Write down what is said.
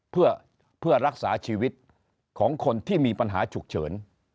เพื่อรักษาชีวิตของคนที่มีปัญหาฉุกเฉิน